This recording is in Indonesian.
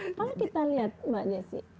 nah kalau kita lihat mbak nessy